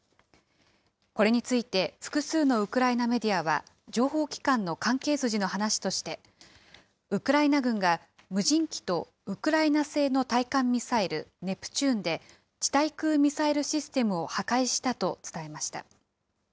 これについて、複数のウクライナメディアは、情報機関の関係筋の話として、ウクライナ軍が無人機とウクライナ製の対艦ミサイル、ネプチューンで、地対空ミサイルシステムを破壊したと伝えました。